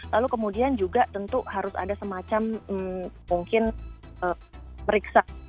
lalu kemudian juga tentu harus ada semacam mungkin meriksa